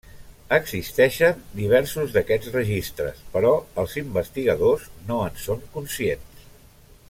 Existeixen diversos d'aquests registres, però els investigadors no en són conscients.